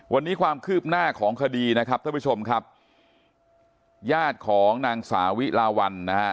วันนี้ความคืบหน้าของคดีนะครับท่านผู้ชมครับญาติของนางสาวิลาวันนะฮะ